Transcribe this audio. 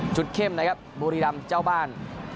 เข้มนะครับบุรีรำเจ้าบ้าน